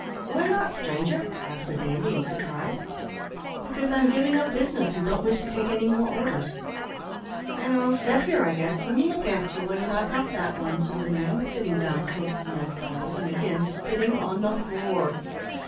"Why not, stranger?" asked the dandy, in surprise. "Because I'm giving up business, and don't wish to take any more orders." "Then I'll set here, I guess, an' look at ye while ye knock off that one," said the man, sitting down close to Ned's elbow, and again spitting on the floor.